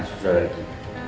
silakan sudah lagi